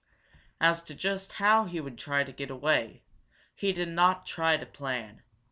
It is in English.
As to just how he would try to get away, he did not try to plan.